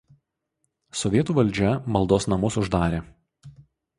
Sovietų valdžia maldos namus uždarė.